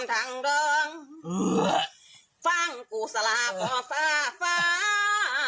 ฟังกูสละปอดฟ้า